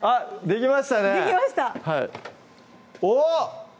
できましたおっ！